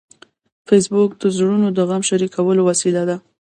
فېسبوک د زړونو د غم شریکولو وسیله ده